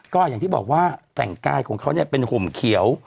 ก็อย่างที่บอกว่าแต่งกายของเขาเนี่ยเป็นห่มเขียว